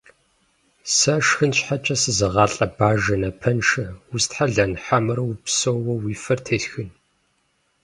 Сэ шхын щхьэкӀэ сызыгъалӀэ Бажэ напэншэ, устхьэлэн хьэмэрэ упсэууэ уи фэр тесхын?!